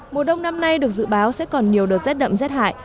mùa đông năm nay được dự báo sẽ còn nhiều đợt rét đậm rét hại